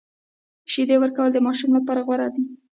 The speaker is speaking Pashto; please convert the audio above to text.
شیدې ورکول د ماشوم لپاره غوره دي۔